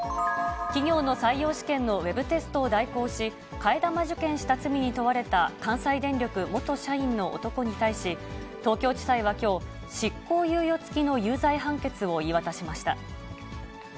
企業の採用試験のウェブテストを代行し、替え玉受験した罪に問われた関西電力元社員の男に対し、東京地裁はきょう、執行猶予付きの有罪判決を言い渡しました。